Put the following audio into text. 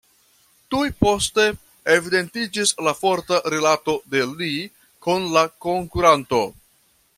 Tuj poste evidentiĝis la forta rilato de Lee kun la konkuranto.